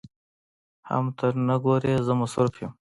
حم ته نه ګورې زه مصروف يم.